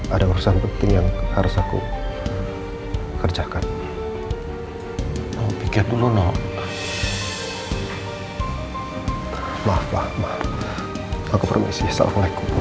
alhamdulillah kamu lebih yang best lah